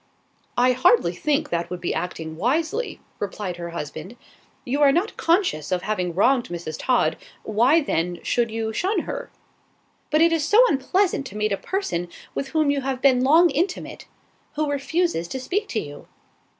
"I hardly think that would be acting wisely," replied her husband. "You are not conscious of having wronged Mrs. Todd. Why, then, should you shun her?" "But it is so unpleasant to meet a person with whom you have been long intimate, who refuses to speak to you."